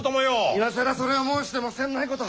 今更それを申しても詮ないこと。